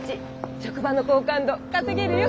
職場の好感度稼げるよ！